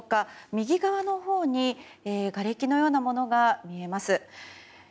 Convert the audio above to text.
右側のほうにがれきのようなものが見えます。